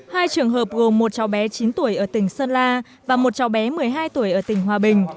hai trường hợp gồm một cháu bé chín tuổi ở tỉnh sơn la và một cháu bé một mươi hai tuổi ở tỉnh hòa bình